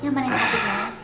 yang main sakit tadi